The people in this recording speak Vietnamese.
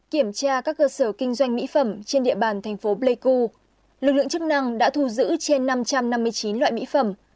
kiểm tra các cơ sở kinh doanh mỹ phẩm trên địa bàn thành phố pleiku lực lượng chức năng đã thu giữ trên năm trăm năm mươi chín loại mỹ phẩm